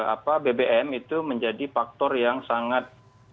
apa bbm itu menjadi faktor yang sangat